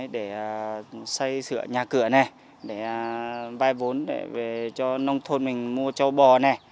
để xây sửa nhà cửa để vay vốn cho nông thôn mình mua châu bò